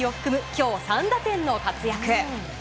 今日３打点の活躍。